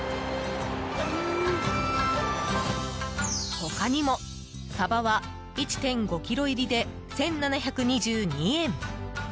他にも、サバは１．５ｋｇ入りで１７２２円。